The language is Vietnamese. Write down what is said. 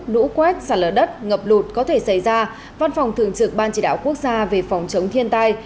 lũ quét xả lở đất ngập lụt có thể xảy ra văn phòng thường trực ban chỉ đạo quốc gia về phòng chống thiên tai